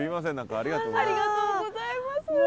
ありがとうございます。